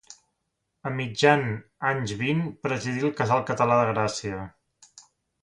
A mitjan anys vint presidí el Casal Català de Gràcia.